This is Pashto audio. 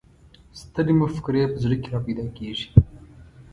سترې مفکورې په زړه کې را پیدا کېږي.